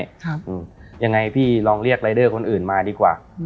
ครับอืมยังไงพี่ลองเรียกคนอื่นมาดีกว่าอืม